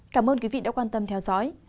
cảm ơn quý vị đã quan tâm theo dõi